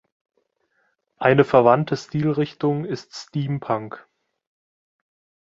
Eine verwandte Stilrichtung ist Steampunk.